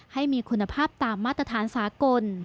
ให้มีคุณภาพตามมาตรฐานสากล